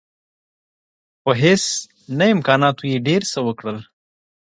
په هیڅ نه امکاناتو یې ډېر څه وکړل.